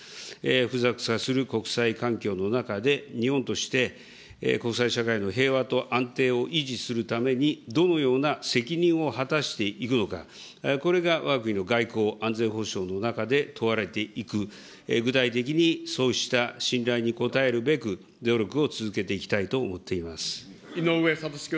複雑化する国際環境の中で、日本として国際社会の平和と安定を維持するために、どのような責任を果たしていくのか、これがわが国の外交・安全保障の中で問われていく、具体的にそうした信頼に応えるべく努力を続けていきたいと思って井上哲士君。